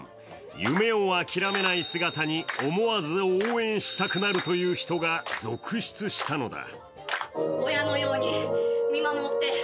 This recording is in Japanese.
夢を諦めない姿に思わず応援したくなるという人が続出したのだ。